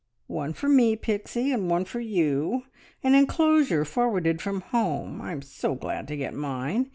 "One for me, Pixie, and one for you an enclosure forwarded from home. I'm so glad to get mine.